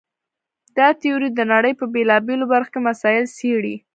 دا تیوري د نړۍ په بېلابېلو برخو کې مسایل څېړي.